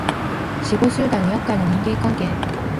女五十代のやっかいな人間関係